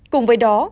cùng với đó